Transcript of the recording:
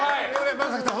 松崎さん